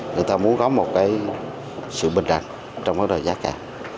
người ta muốn có một cái sự bình đẳng trong mối đòi giá cả